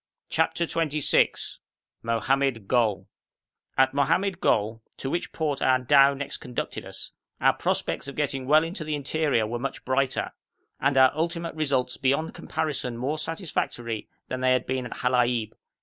CHAPTER XXVI MOHAMMED GOL At Mohammed Gol, to which port our dhow next conducted us, our prospects of getting well into the interior were much brighter, and our ultimate results beyond comparison more satisfactory than they had been at Halaib.